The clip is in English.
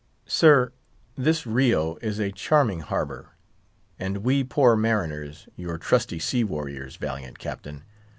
"Sir, this Rio is a charming harbour, and we poor mariners—your trusty sea warriors, valiant Captain!